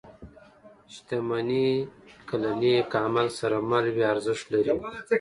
• شتمني که له نېک عمل سره مل وي، ارزښت لري.